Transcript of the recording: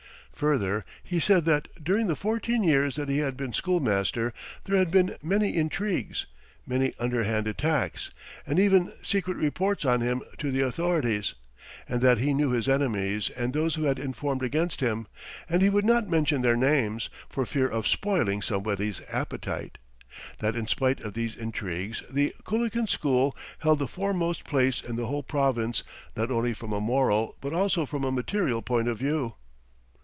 Further he said that during the fourteen years that he had been schoolmaster there had been many intrigues, many underhand attacks, and even secret reports on him to the authorities, and that he knew his enemies and those who had informed against him, and he would not mention their names, "for fear of spoiling somebody's appetite"; that in spite of these intrigues the Kulikin school held the foremost place in the whole province not only from a moral, but also from a material point of view."